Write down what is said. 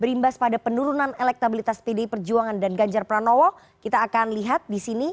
berimbas pada penurunan elektabilitas pd perjuangan dan ganjar prabowo kita akan lihat disini